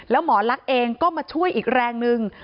แล้วหมอลักษณ์เองก็มาช่วยอีกแรงนึง